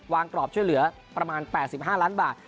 กรอบช่วยเหลือประมาณ๘๕ล้านบาท